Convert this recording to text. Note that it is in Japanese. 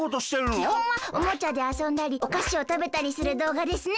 きほんはおもちゃであそんだりおかしをたべたりするどうがですね。